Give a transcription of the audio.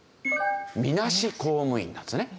みなし公務員なんですね。